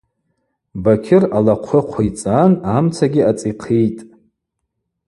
Бакьыр алахъвы хъвицӏан амцагьи ацӏихъыйтӏ.